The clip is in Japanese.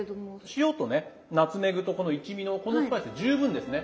塩とねナツメグとこの一味のこのスパイスで十分ですね。